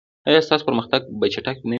ایا ستاسو پرمختګ به چټک نه وي؟